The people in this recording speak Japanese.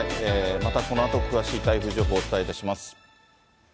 またこのあと、詳しい台風情報をお伝えいたします。